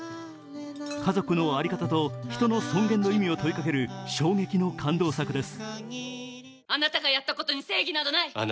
家族の在り方と人の尊厳の意味を問いかける衝撃の感動作です。